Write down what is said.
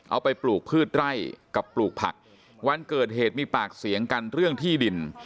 เอาไปปลูกพืชไร่กับปลูกผักวันเกิดเหตุมีปากเสียงกันเรื่องที่ดิน